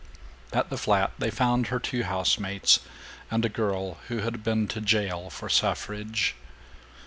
At the flat they found her two housemates and a girl who had been to jail for suffrage.